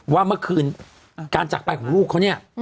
ว่าเมื่อคืนการจักรไปของลูกเขาเนี่ย